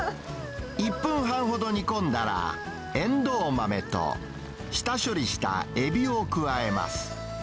１分半ほど煮込んだら、エンドウ豆と、下処理したエビを加えます。